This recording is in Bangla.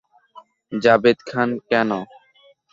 জাভেদ খান কেন?